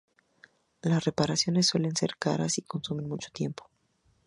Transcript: Las reparaciones suelen ser caras y consumen mucho tiempo.